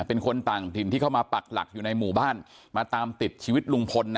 เป็นคนต่างถิ่นที่เข้ามาปักหลักอยู่ในหมู่บ้านมาตามติดชีวิตลุงพลนะ